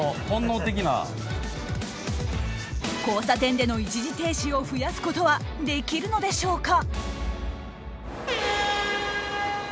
交差点での一時停止を増やすことはできるのでしょうか？